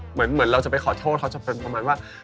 เหมือนเราจะไปขอโทษเขาจะเป็นประมาณว่า